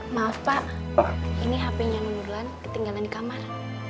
maaf pak ini hpnya menurut lan ketinggalan di kamar